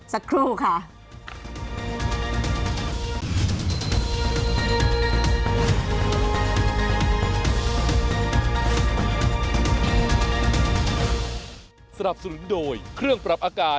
สักครู่ค่ะ